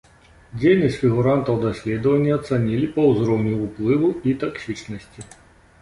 Дзейнасць фігурантаў даследавання ацанілі па ўзроўні ўплыву і таксічнасці.